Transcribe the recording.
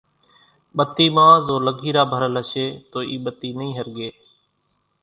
ٻتي مان زو لگيرا ڀرل ھشي تو اِي ٻتي نئي ۿرڳي